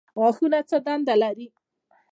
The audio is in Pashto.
غاښونه څه دنده لري؟